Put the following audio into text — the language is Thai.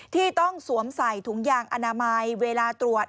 ที่ต้องสวมใส่ถุงยางอนามัยเวลาตรวจ